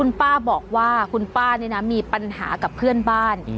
คุณป้าบอกว่าคุณป้านี่นะมีปัญหากับเพื่อนบ้าน